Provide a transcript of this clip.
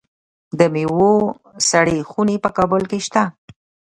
د میوو سړې خونې په کابل کې شته.